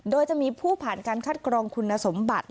โดยจะมีผู้ผ่านการคัดกรองคุณสมบัติ